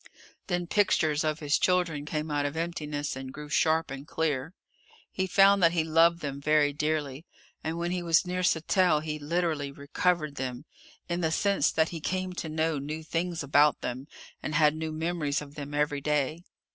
Then pictures of his children came out of emptiness and grew sharp and clear. He found that he loved them very dearly. And when he was near Sattell he literally recovered them in the sense that he came to know new things about them and had new memories of them every day.